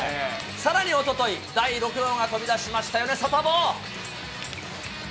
さらにおととい、第６号が飛び出しましたよね。